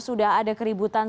sudah ada keributan